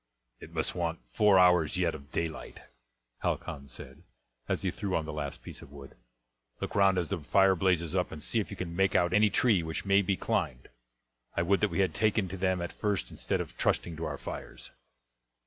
"It must want four hours yet of daylight," Halcon said, as he threw on the last piece of wood. "Look round as the fire blazes up and see if you can make out any tree which may be climbed. I would that we had taken to them at first instead of trusting to our fires."